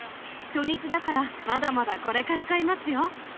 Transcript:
初日だから、まだまだこれから買いますよ。